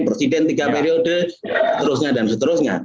presiden tiga periode seterusnya dan seterusnya